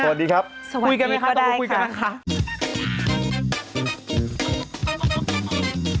คุยกันไหมคะตรงนี้คุยกันไหมคะสวัสดีครับ